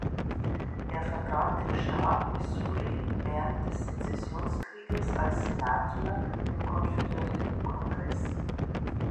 Er vertrat den Staat Missouri während des Sezessionskrieges als Senator im Konföderiertenkongress.